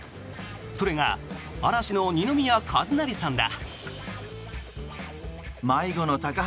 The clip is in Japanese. それが嵐の二宮和也さんだ。